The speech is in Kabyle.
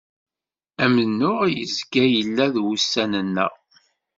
Amennuɣ yezga yella d wussan-nneɣ.